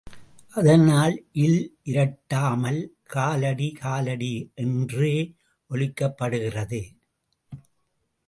அதனால் ல் இரட்டாமல் கால் அடி காலடி என்றே ஒலிக்கப் படுகிறது.